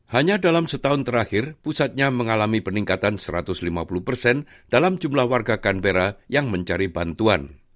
hanya dalam setahun terakhir pusatnya mengalami peningkatan satu ratus lima puluh persen dalam jumlah warga canberra yang mencari bantuan